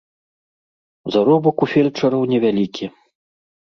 Заробак у фельчараў невялікі.